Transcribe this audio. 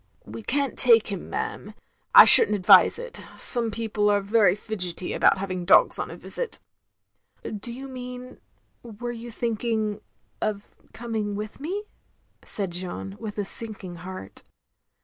"" We can't take him, ma'am. I should n't advise it. Some people are very fidgetty about having dogs on a visit. "" Do you mean — ^were you thinking — of coming with me?" said Jeanne, with a sinking heart.